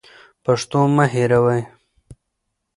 پښتو مه هېروئ.